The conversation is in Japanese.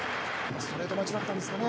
ストレート待ちだったんですかね。